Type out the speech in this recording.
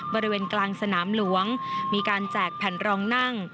บริเวณกลางสนามหลวงมีการแจกแผ่นรองนั่ง